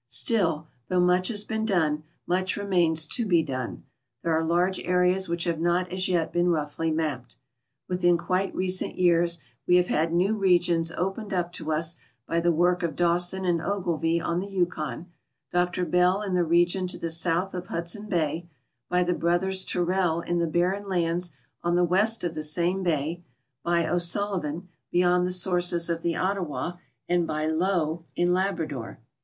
Still, though much has been done, much re mains to be done. There are large areas which have not as yet been roughly mapped. Within quite recent \'ears we have b;id new regions opened up to us by the work of Dawson and Ogilvie on the Yukon, Dr Bell in the region to the south of Hudson bay, by the brothers Tyrrell in the barren lands on the west of tbe same bay, by O'Sullivan beyond the sources of the Ottawa, and by Low in Labrador.